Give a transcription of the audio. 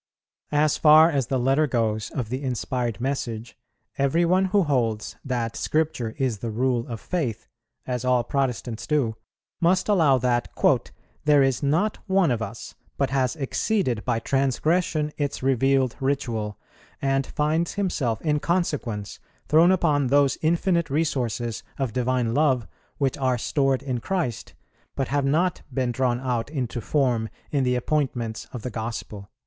As far as the letter goes of the inspired message, every one who holds that Scripture is the rule of faith, as all Protestants do, must allow that "there is not one of us but has exceeded by transgression its revealed Ritual, and finds himself in consequence thrown upon those infinite resources of Divine Love which are stored in Christ, but have not been drawn out into form in the appointments of the Gospel."